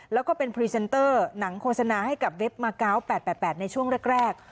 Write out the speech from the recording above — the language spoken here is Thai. แล้วก็เป็นพรีเซนเตอร์หนังโฆษณาให้กับเว็บมา๙๘๘ในช่วงแรก